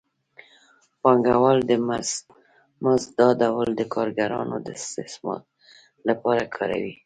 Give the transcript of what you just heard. پانګوال د مزد دا ډول د کارګرانو د استثمار لپاره کاروي